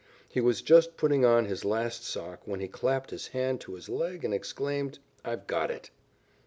He was just putting on his last sock when he clapped his hand to his leg and exclaimed: "I've got it."